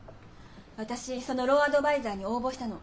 私そのローアドバイザーに応募したの。